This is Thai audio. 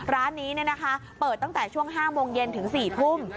ร้านนี้เปิดตั้งแต่ช่วง๕โมงเย็นถึง๔ทุ่ม